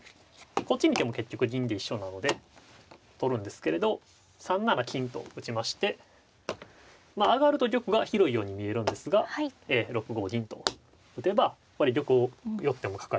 こっち見ても結局銀で一緒なので取るんですけれど３七金と打ちまして上がると玉が広いように見えるんですが６五銀と打てば玉を寄っても角が利いてますから。